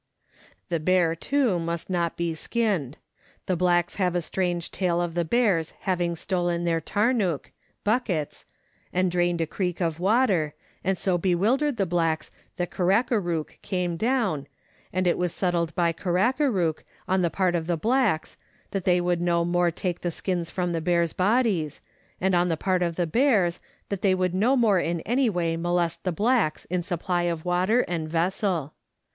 The bear, too, must not be skinned. The blacks have a strange tale of the bears having stolen all their tarnuk (buckets) and drained a creek of Avater, and so bewildered the blacks that Karakarook came down, and it was settled by Karakarook, on the part of the blacks, that they would no more take the skins from the bears' bodies, and on the part of the bears, that they would no. more in any way molest the blacks in supply of water and vessel.